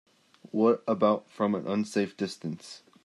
What about from an unsafe distance?